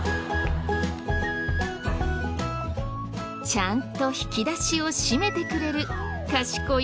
ちゃんと引き出しを閉めてくれる賢い